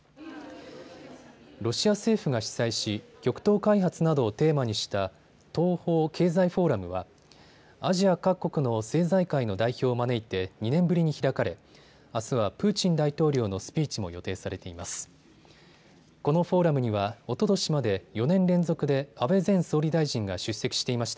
ロシア政府が主催し極東開発などをテーマにした東方経済フォーラムはアジア各国の政財界の代表を招いて２年ぶりに開かれあすはプーチン大統領のスピーチも予定されています。